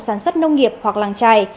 các vùng sản xuất nông nghiệp hoặc làng chai